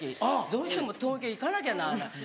どうしても東京へ行かなきゃならない。